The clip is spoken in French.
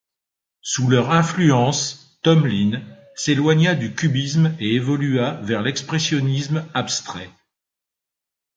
Sous leur influence, Tomlin s'éloigna du cubisme et évolua vers l'expressionnisme abstrait.